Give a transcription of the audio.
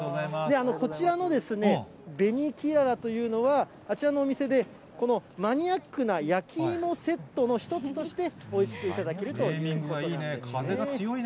こちらの紅きららというのは、あちらのお店で、このマニアックな焼き芋セットの一つとしておいしく頂けるということですね。